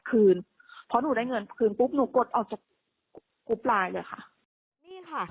คืนเพราะหนูได้เงินคืนปุ๊บหนูกดออกจากกรุ๊ปไลน์เลยค่ะนี่ค่ะ